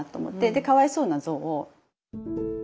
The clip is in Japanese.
で「かわいそうなぞう」を。